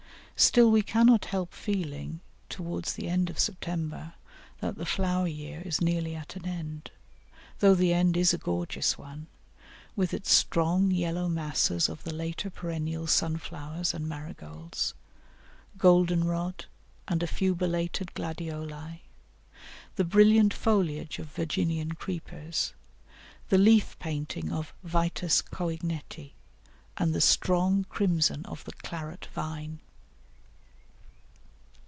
Still we cannot help feeling, towards the end of September, that the flower year is nearly at an end, though the end is a gorgeous one, with its strong yellow masses of the later perennial Sunflowers and Marigolds, Goldenrod, and a few belated Gladioli; the brilliant foliage of Virginian Creepers, the leaf painting of Vitis Coignettii, and the strong crimson of the Claret Vine.